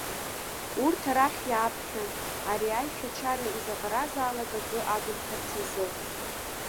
Урҭ арахь иааԥхьан, ари аишәа-чара изаҟаразаалак акы агымхарц азы.